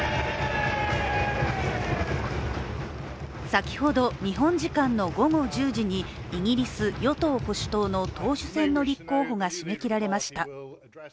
先ほど日本時間の午後１０時にイギリス与党保守党の党首選の立候補が締め切られました。